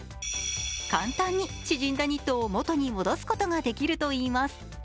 簡単に縮んだニットを元に戻すことができるといいます。